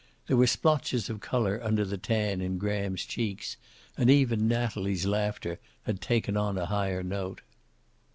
There were splotches of color under the tan in Graham's cheeks, and even Natalie's laughter had taken on a higher note.